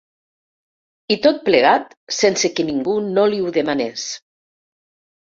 I tot plegat sense que ningú no li ho demanés.